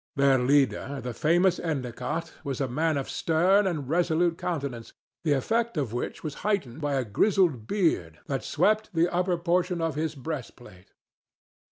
Their leader, the famous Endicott, was a man of stern and resolute countenance, the effect of which was heightened by a grizzled beard that swept the upper portion of his breastplate.